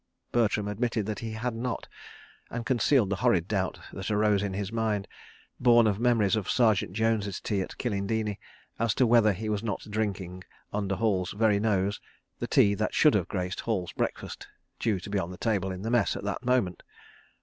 Bertram admitted that he had not, and concealed the horrid doubt that arose in his mind—born of memories of Sergeant Jones's tea at Kilindini—as to whether he was not drinking, under Hall's very nose, the tea that should have graced Hall's breakfast, due to be on the table in the Mess at that moment.